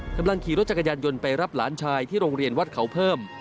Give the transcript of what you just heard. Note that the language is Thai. กำลังขี่รถจักรยานยนต์ไปรับหลานชายที่โรงเรียนวัดเขาเพิ่ม